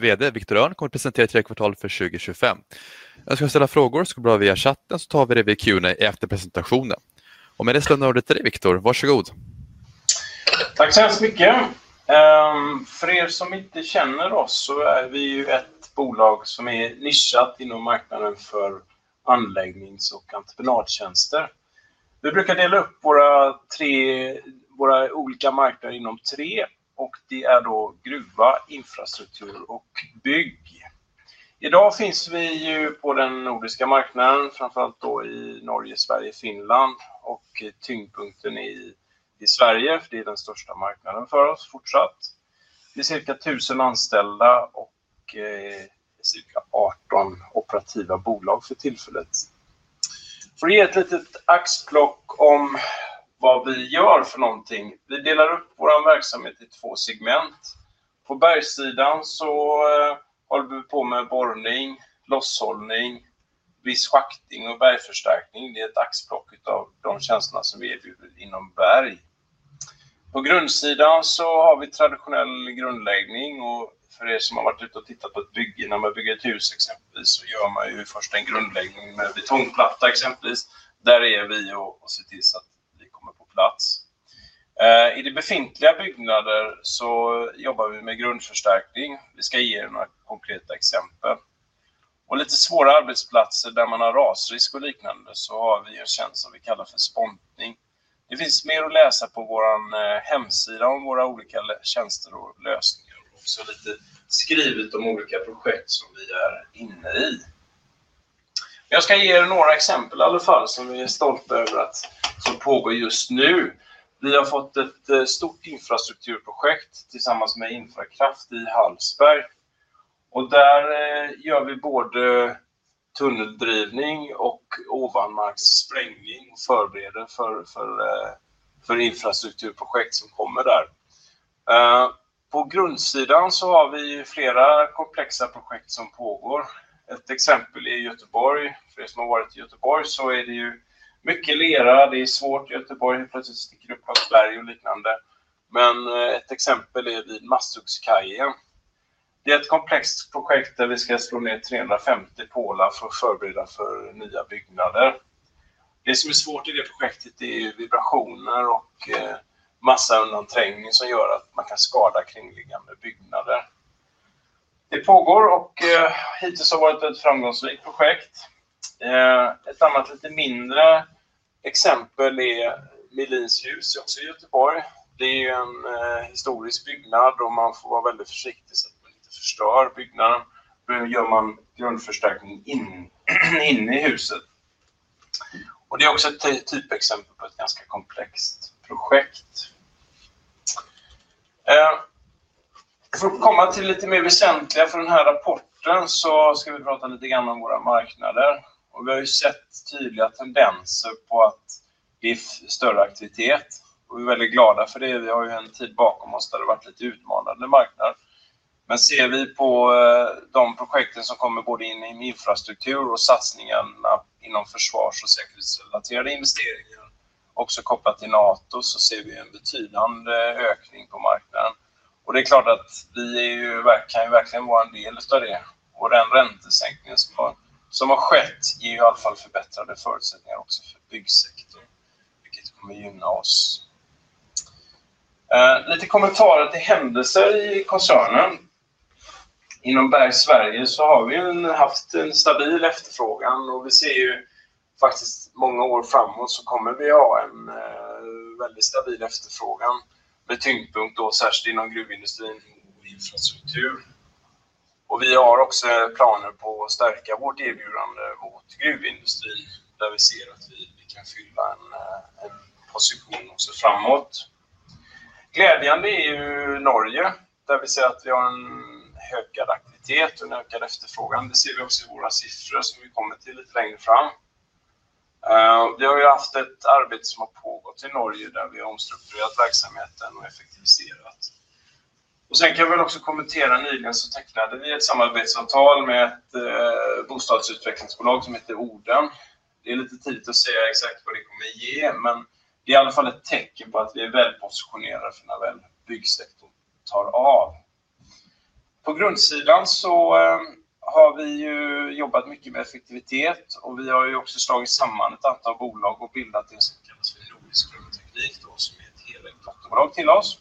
VD Viktor Rönn kommer att presentera tre kvartal för 2025. Önskar ni ställa frågor så går det bra via chatten, så tar vi det vid Q&A efter presentationen. Och med det lämnar jag ordet till dig, Viktor. Varsågod. Tack så hemskt mycket. För som inte känner oss så är vi ju ett bolag som är nischat inom marknaden för anläggnings- och entreprenadtjänster. Vi brukar dela upp våra olika marknader inom tre, och det är då gruva, infrastruktur och bygg. Idag finns vi ju på den nordiska marknaden, framför allt då i Norge, Sverige, Finland, och tyngdpunkten är i Sverige, för det är den största marknaden för oss fortsatt. Vi är cirka 1,000 anställda och cirka 18 operativa bolag för tillfället. För att ge ett litet axplock om vad vi gör för någonting. Vi delar upp vår verksamhet i två segment. På bergssidan så håller vi på med borrning, losshållning, viss schaktning och bergförstärkning. Det är ett axplock av de tjänsterna som vi erbjuder inom berg. På grundsidan så har vi traditionell grundläggning, och för som har varit ute och tittat på ett bygge, när man bygger ett hus exempelvis, så gör man ju först en grundläggning med betongplatta, exempelvis. Där är vi och ser till så att vi kommer på plats. I de befintliga byggnader så jobbar vi med grundförstärkning. Vi ska ge några konkreta exempel. På lite svåra arbetsplatser där man har rasrisk och liknande så har vi en tjänst som vi kallar för spontning. Det finns mer att läsa på vår hemsida om våra olika tjänster och lösningar, och så lite skrivet om olika projekt som vi är inne i. Jag ska ge några exempel i alla fall som vi är stolta över som pågår just nu. Vi har fått ett stort infrastrukturprojekt tillsammans med Infrakraft i Hallsberg. Där gör vi både tunneldrivning och ovanmarkssprängning och förbereder för infrastrukturprojekt som kommer där. På grundsidan så har vi flera komplexa projekt som pågår. Ett exempel är Göteborg. För som har varit i Göteborg så är det ju mycket lera. Det är svårt i Göteborg, helt plötsligt så sticker det upp något berg och liknande. Men ett exempel är vid Masthuggskajen. Det är ett komplext projekt där vi ska slå ner 350 pålar för att förbereda för nya byggnader. Det som är svårt i det projektet är ju vibrationer och massaundanträngning som gör att man kan skada kringliggande byggnader. Det pågår och hittills har varit ett framgångsrikt projekt. Ett annat lite mindre exempel är Melins hus, också i Göteborg. Det är ju en historisk byggnad och man får vara väldigt försiktig så att man inte förstör byggnaden. Då gör man grundförstärkning inne i huset. Det är också ett typexempel på ett ganska komplext projekt. För att komma till lite mer väsentliga för den här rapporten så ska vi prata lite grann om våra marknader. Vi har ju sett tydliga tendenser på att det är större aktivitet. Vi är väldigt glada för det. Vi har ju en tid bakom oss där det har varit lite utmanande marknad. Men ser vi på de projekten som kommer både in i infrastruktur och satsningarna inom försvars- och säkerhetsrelaterade investeringar, också kopplat till NATO, så ser vi ju en betydande ökning på marknaden. Det är klart att vi kan ju verkligen vara en del av det. Den räntesänkning som har skett ger ju i alla fall förbättrade förutsättningar också för byggsektorn, vilket kommer att gynna oss. Lite kommentarer till händelser i koncernen. Inom Bergsverige så har vi ju haft en stabil efterfrågan och vi ser ju faktiskt många år framåt så kommer vi att ha en väldigt stabil efterfrågan, med tyngdpunkt då särskilt inom gruvindustrin och infrastruktur. Vi har också planer på att stärka vårt erbjudande mot gruvindustrin, där vi ser att vi kan fylla en position också framåt. Glädjande är ju Norge, där vi ser att vi har en ökad aktivitet och en ökad efterfrågan. Det ser vi också i våra siffror som vi kommer till lite längre fram. Vi har ju haft ett arbete som har pågått i Norge där vi har omstrukturerat verksamheten och effektiviserat. Sen kan vi väl också kommentera, nyligen så tecknade vi ett samarbetsavtal med ett bostadsutvecklingsbolag som heter Oden. Det är lite tidigt att säga exakt vad det kommer att ge, men det är i alla fall ett tecken på att vi är välpositionerade för när väl byggsektorn tar av. På grundsidan så har vi ju jobbat mycket med effektivitet och vi har ju också slagit samman ett antal bolag och bildat det som kallas för Nordisk Grundteknik, som är ett helägt dotterbolag till oss.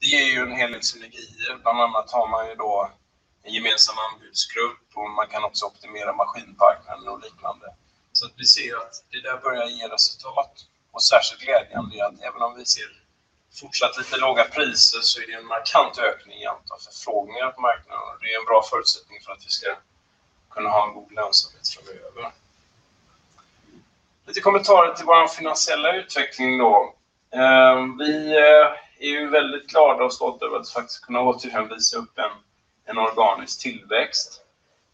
Det ger ju en hel del synergier. Bland annat har man ju då en gemensam anbudsgrupp och man kan också optimera maskinparken och liknande. Vi ser att det där börjar ge resultat. Särskilt glädjande är att även om vi ser fortsatt lite låga priser så är det en markant ökning i antal förfrågningar på marknaden. Det är en bra förutsättning för att vi ska kunna ha en god lönsamhet framöver. Lite kommentarer till vår finansiella utveckling då. Vi är ju väldigt glada och stolta över att faktiskt kunna återigen visa upp en organisk tillväxt.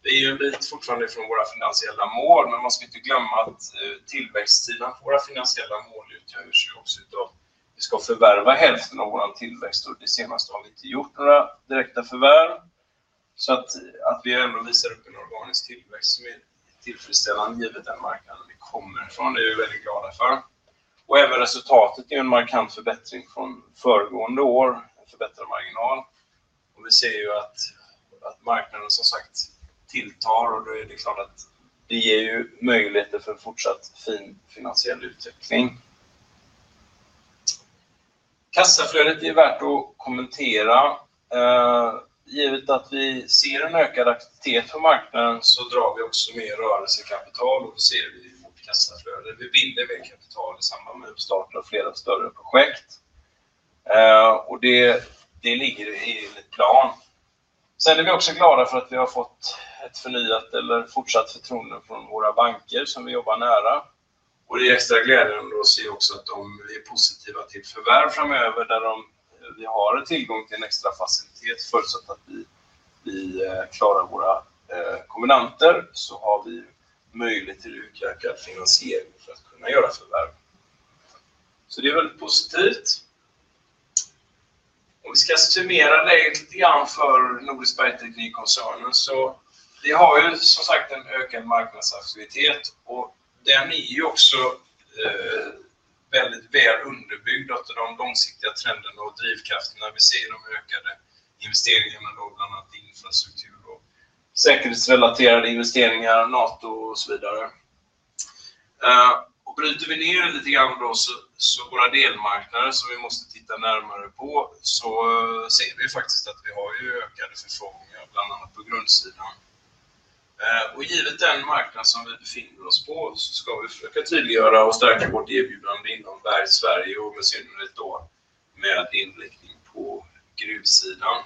Det är ju en bit fortfarande från våra finansiella mål, men man ska inte glömma att tillväxtstilen på våra finansiella mål utgörs ju också av att vi ska förvärva hälften av vår tillväxt. Det senaste har vi inte gjort några direkta förvärv. Vi ändå visar upp en organisk tillväxt som är tillfredsställande givet den marknaden vi kommer ifrån. Det är vi väldigt glada för. Även resultatet är ju en markant förbättring från föregående år, en förbättrad marginal. Vi ser ju att marknaden som sagt tilltar, och då är det klart att det ger ju möjligheter för en fortsatt fin finansiell utveckling. Kassaflödet är värt att kommentera. Givet att vi ser en ökad aktivitet på marknaden så drar vi också mer rörelsekapital, och då ser vi ju vårt kassaflöde. Vi binder mer kapital i samband med att starta flera större projekt. Det ligger i enligt plan. Sen är vi också glada för att vi har fått ett förnyat eller fortsatt förtroende från våra banker som vi jobbar nära. Det är extra glädjande att se också att de är positiva till förvärv framöver, där vi har en tillgång till en extra facilitet, förutsatt att vi klarar våra komminanter, så har vi möjlighet till utökad finansiering för att kunna göra förvärv. Det är väldigt positivt. Om vi ska summera det lite grann för Nordisk Bergteknik-koncernen, så vi har ju som sagt en ökad marknadsaktivitet, och den är ju också väldigt väl underbyggd av de långsiktiga trenderna och drivkrafterna vi ser i de ökade investeringarna, då bland annat i infrastruktur och säkerhetsrelaterade investeringar, NATO och så vidare. Bryter vi ner det lite grann då så våra delmarknader som vi måste titta närmare på, så ser vi faktiskt att vi har ju ökade förfrågningar, bland annat på grundsidan. Givet den marknad som vi befinner oss på, så ska vi försöka tydliggöra och stärka vårt erbjudande inom Bergsverige och med synnerhet då med inriktning på gruvsidan.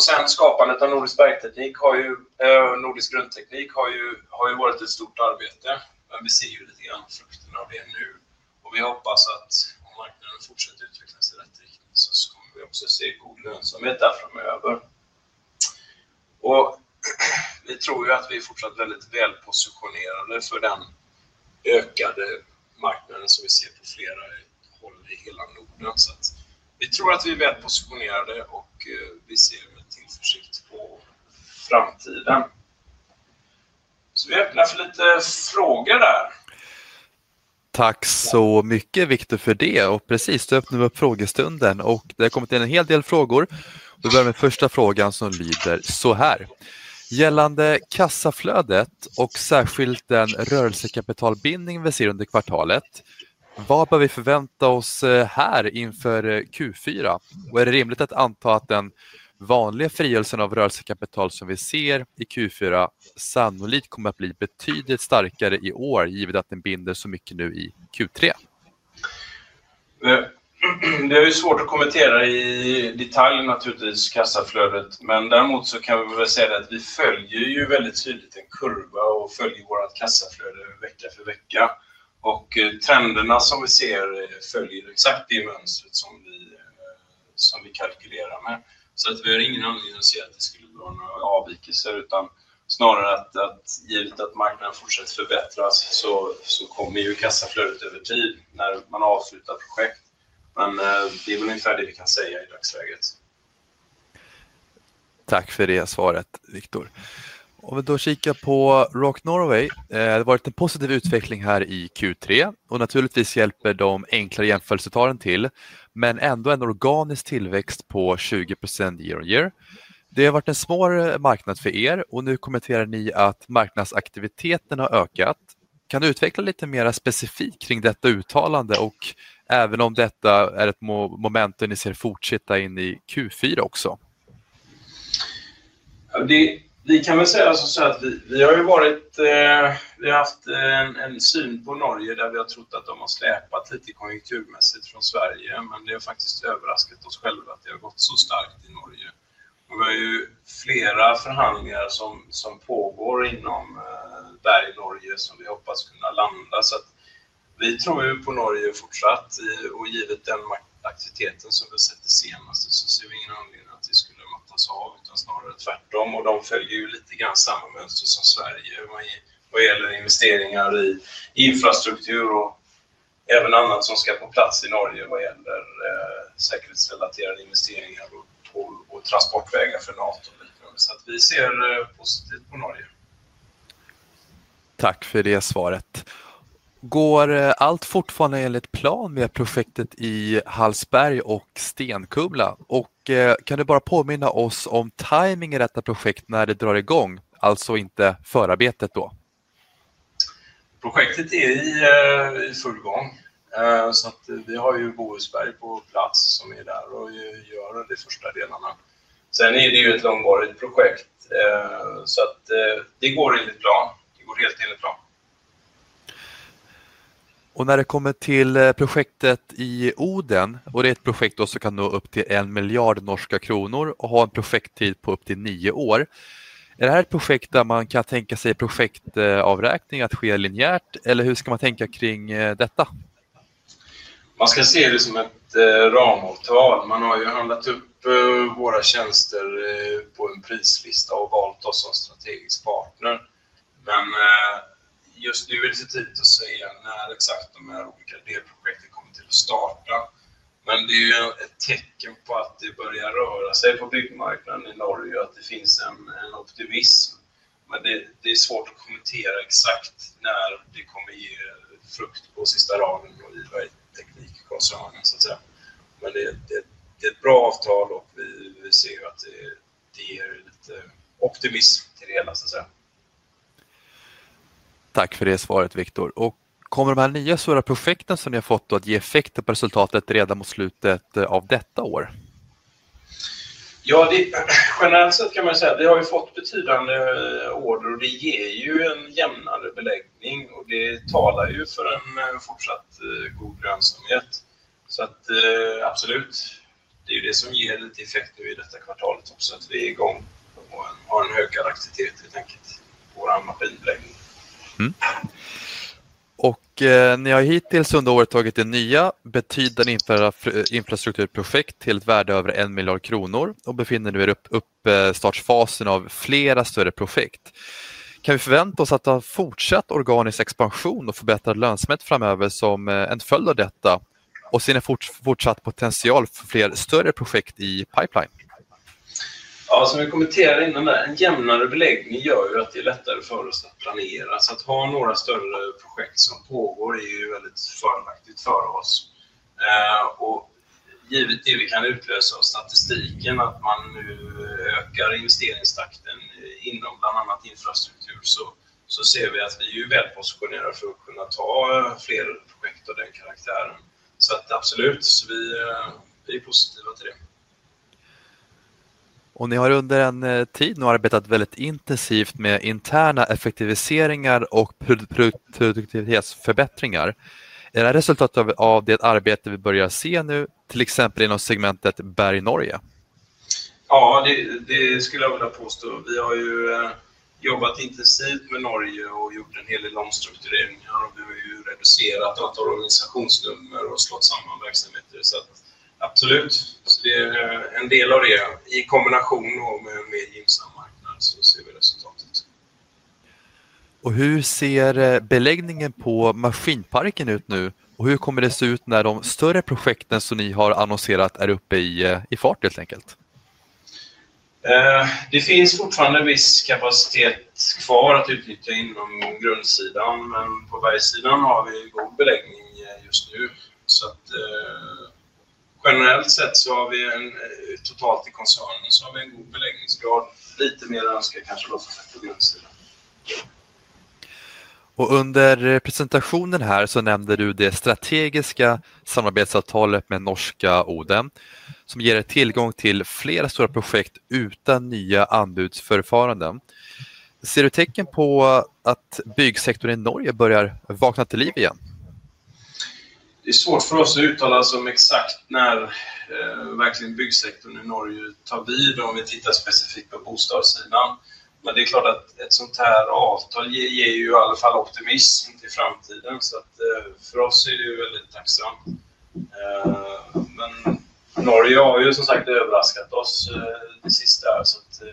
Sen skapandet av Nordisk Grundteknik har ju varit ett stort arbete, men vi ser ju lite grann frukterna av det nu. Vi hoppas att om marknaden fortsätter utvecklas i rätt riktning så kommer vi också se god lönsamhet där framöver. Vi tror ju att vi är fortsatt väldigt välpositionerade för den ökade marknaden som vi ser på flera håll i hela Norden. Vi tror att vi är välpositionerade och vi ser med tillförsikt på framtiden. Vi öppnar för lite frågor där. Tack så mycket, Viktor, för det. Och precis, du öppnar vår frågestund och det har kommit in en hel del frågor. Vi börjar med första frågan som lyder så här: Gällande kassaflödet och särskilt den rörelsekapitalbindning vi ser under kvartalet, vad bör vi förvänta oss här inför Q4? Är det rimligt att anta att den vanliga frigörelsen av rörelsekapital som vi ser i Q4 sannolikt kommer att bli betydligt starkare i år, givet att den binder så mycket nu i Q3? Det är ju svårt att kommentera i detalj, naturligtvis, kassaflödet. Men däremot så kan vi säga det att vi följer ju väldigt tydligt en kurva och följer vårt kassaflöde vecka för vecka. Trenderna som vi ser följer exakt det mönstret som vi kalkylerar med. Så att vi har ingen anledning att se att det skulle vara några avvikelser, utan snarare att givet att marknaden fortsätter förbättras så kommer ju kassaflödet över tid när man avslutar projekt. Men det är ungefär det vi kan säga i dagsläget. Tack för det svaret, Viktor. Om vi då kikar på Rock Norway. Det har varit en positiv utveckling här i Q3, och naturligtvis hjälper de enklare jämförelsetalen till, men ändå en organisk tillväxt på 20% year on year. Det har varit en svår marknad för och nu kommenterar ni att marknadsaktiviteten har ökat. Kan du utveckla lite mer specifikt kring detta uttalande, och även om detta är ett momentum ni ser fortsätta in i Q4 också? Vi kan väl säga så att vi har ju varit. Vi har haft en syn på Norge där vi har trott att de har släpat lite konjunkturmässigt från Sverige, men det har faktiskt överraskat oss själva att det har gått så starkt i Norge. Vi har ju flera förhandlingar som pågår inom Berg Norge som vi hoppas kunna landa. Vi tror ju på Norge fortsatt, och givet den aktiviteten som vi har sett det senaste så ser vi ingen anledning att det skulle mattas av, utan snarare tvärtom. De följer ju lite grann samma mönster som Sverige, vad gäller investeringar i infrastruktur och även annat som ska på plats i Norge vad gäller säkerhetsrelaterade investeringar och transportvägar för NATO och liknande. Vi ser positivt på Norge. Tack för det svaret. Går allt fortfarande enligt plan med projektet i Hallsberg och Stenkumla? Och kan du bara påminna oss om timing i detta projekt när det drar igång, alltså inte förarbetet då? Projektet är i full gång så att vi har ju Bohusberg på plats som är där och gör de första delarna. Sen är det ju ett långvarigt projekt så att det går enligt plan. Det går helt enligt plan. Och när det kommer till projektet i Oden, och det är ett projekt då som kan nå upp till en miljard norska kronor och ha en projekttid på upp till nio år. Är det här ett projekt där man kan tänka sig projektavräkning att ske linjärt, eller hur ska man tänka kring detta? Man ska se det som ett ramavtal. Man har ju handlat upp våra tjänster på en prislista och valt oss som strategisk partner. Men just nu är det lite tidigt att säga när exakt de här olika delprojekten kommer att starta. Men det är ju ett tecken på att det börjar röra sig på byggmarknaden i Norge, och att det finns en optimism. Men det är svårt att kommentera exakt när det kommer ge frukt på sista raden då i Bergteknikkoncernen, så att säga. Men det är ett bra avtal och vi ser ju att det ger lite optimism till det hela, så att säga. Tack för det svaret, Viktor. Och kommer de här nya stora projekten som ni har fått då att ge effekter på resultatet redan mot slutet av detta år? Ja, generellt sett kan man ju säga att vi har ju fått betydande order, och det ger ju en jämnare beläggning, och det talar ju för en fortsatt god lönsamhet. Så att absolut, det är ju det som ger lite effekt nu i detta kvartalet också, att vi är igång och har en ökad aktivitet helt enkelt på vår maskinbeläggning. Och ni har hittills under året tagit det nya betydande infrastrukturprojekt till ett värde över en miljard kronor, och befinner ni er i uppstartsfasen av flera större projekt. Kan vi förvänta oss att ha fortsatt organisk expansion och förbättrad lönsamhet framöver som en följd av detta, och ser ni fortsatt potential för fler större projekt i pipeline? Ja, som vi kommenterade innan där, en jämnare beläggning gör ju att det är lättare för oss att planera. Att ha några större projekt som pågår är ju väldigt fördelaktigt för oss. Givet det vi kan utläsa av statistiken, att man nu ökar investeringstakten inom bland annat infrastruktur, så ser vi att vi är ju välpositionerade för att kunna ta fler projekt av den karaktären. Absolut, så vi är positiva till det. Och ni har under en tid nu arbetat väldigt intensivt med interna effektiviseringar och produktivitetsförbättringar. Är det här resultatet av det arbete vi börjar se nu, till exempel inom segmentet Berg Norge? Ja, det skulle jag vilja påstå. Vi har ju jobbat intensivt med Norge och gjort en hel del omstruktureringar, och vi har ju reducerat antal organisationsnummer och slagit samman verksamheter. Så att absolut, så det är en del av det. I kombination då med en mer gynnsam marknad så ser vi resultatet. Och hur ser beläggningen på maskinparken ut nu, och hur kommer det se ut när de större projekten som ni har annonserat är uppe i fart helt enkelt? Det finns fortfarande en viss kapacitet kvar att utnyttja inom grundsidan, men på bergsidan har vi god beläggning just nu. Generellt sett så har vi totalt i koncernen en god beläggningsgrad, lite mer önskat kanske då som sagt på grundsidan. Och under presentationen här så nämnde du det strategiska samarbetsavtalet med norska Oden, som ger tillgång till flera stora projekt utan nya anbudsförfaranden. Ser du tecken på att byggsektorn i Norge börjar vakna till liv igen? Det är svårt för oss att uttala oss om exakt när verkligen byggsektorn i Norge tar vid, om vi tittar specifikt på bostadssidan. Men det är klart att ett sånt här avtal ger ju i alla fall optimism till framtiden. Så att för oss är det ju väldigt tacksamt. Men Norge har ju som sagt överraskat oss det sista här. Så att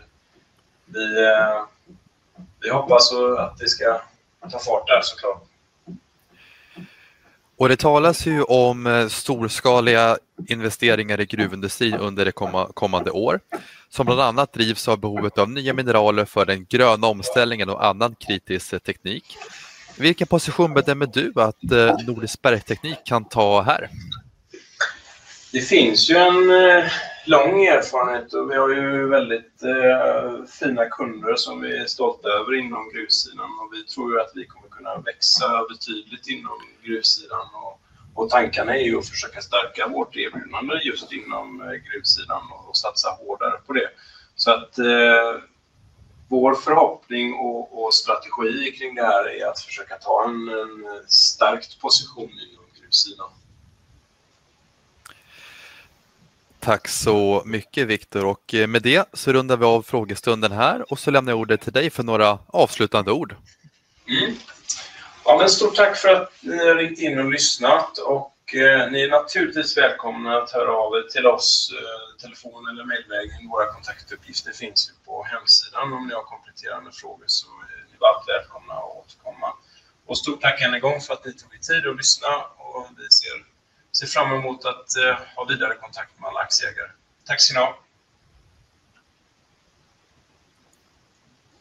vi hoppas att det ska ta fart där såklart. Och det talas ju om storskaliga investeringar i gruvindustri under det kommande året, som bland annat drivs av behovet av nya mineraler för den gröna omställningen och annan kritisk teknik. Vilken position bedömer du att Nordisk Bergteknik kan ta här? Det finns ju en lång erfarenhet, och vi har ju väldigt fina kunder som vi är stolta över inom gruvsidan. Vi tror ju att vi kommer kunna växa betydligt inom gruvsidan. Tankarna är ju att försöka stärka vårt erbjudande just inom gruvsidan och satsa hårdare på det. Vår förhoppning och strategi kring det här är att försöka ta en stark position inom gruvsidan. Tack så mycket, Viktor. Och med det så rundar vi av frågestunden här, och så lämnar jag ordet till dig för några avslutande ord. Ja, men stort tack för att ni har ringt in och lyssnat. Ni är naturligtvis välkomna att höra av er till oss per telefon eller mejl. Våra kontaktuppgifter finns på hemsidan. Om ni har kompletterande frågor så är ni varmt välkomna att återkomma. Stort tack än en gång för att ni tog er tid att lyssna. Vi ser fram emot att ha vidare kontakt med alla aktieägare. Tack ska ni ha.